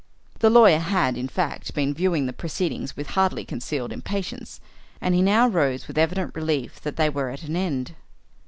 The lawyer had, in fact, been viewing the proceedings with hardly concealed impatience, and he now rose with evident relief that they were at an end.